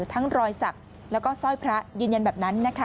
ทั้งรอยสักแล้วก็สร้อยพระยืนยันแบบนั้นนะคะ